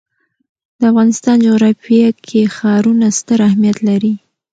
د افغانستان جغرافیه کې ښارونه ستر اهمیت لري.